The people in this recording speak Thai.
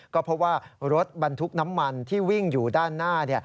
ก็พบว่ารถบรรทุกน้ำมันที่วิ่งอยู่ด้านหน้า